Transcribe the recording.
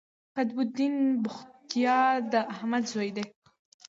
قطب الدین بختیار د احمد زوی دﺉ.